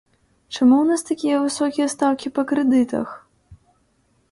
Чаму ў нас такія высокія стаўкі па крэдытах?